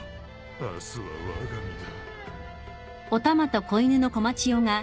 明日はわが身だ